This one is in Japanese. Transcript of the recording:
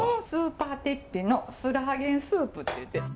スーパーテッピのスラーゲンスープっていって。